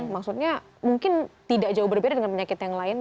maksudnya mungkin tidak jauh berbeda dengan penyakit yang lainnya